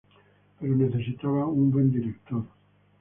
Pero necesitaba un buen director.